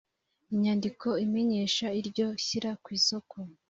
inyandiko imenyesha iryo shyira kw’isoko